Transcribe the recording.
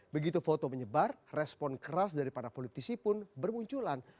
begitu foto menyebar respon keras dari para politisi pun bermunculan